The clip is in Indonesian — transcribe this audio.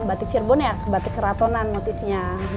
batik cirebon ya batik keratonan motifnya